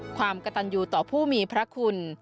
ความกระตันอยู่ต่อผู้มีพระคุณ